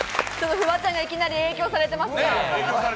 フワちゃんがいきなり影響されています。